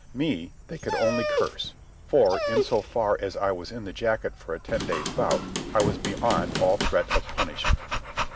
Me they could only curse, for, in so far as I was in the jacket for a ten days' bout, I was beyond all threat of punishment.